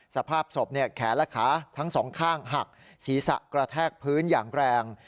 สภาพศพแขนและขาทั้งสองข้างหักศีรษะกระแทกพื้นอย่างแรง